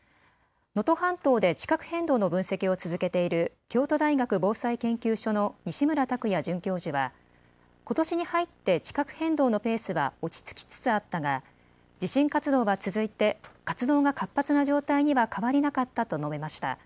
能登半島で地殻変動の分析を続けている京都大学防災研究所の西村卓也准教授はことしに入って地殻変動のペースは落ち着きつつあったが地震活動が続いて活動が活発な状態には変わりなかったと述べました。